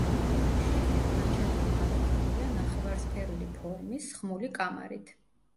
შიგნით ფანჩატური გადახურულია ნახევარსფერული ფორმის, სხმული კამარით.